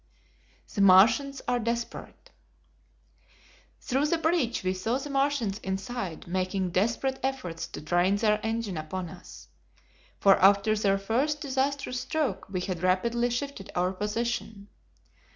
The Martians Are Desperate. Through the breach we saw the Martians inside making desperate efforts to train their engine upon us, for after their first disastrous stroke we had rapidly shifted our position.